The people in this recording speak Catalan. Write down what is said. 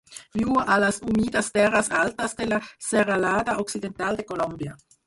Viu a les humides terres altes de la Serralada Occidental de Colòmbia.